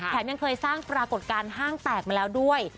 ยังเคยสร้างปรากฏการณ์ห้างแตกมาแล้วด้วย